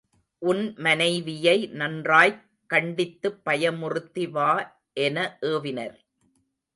உன் மனைவியை நன்றாய்க் கண்டித்துப் பயமுறுத்தி வா என ஏவினர்.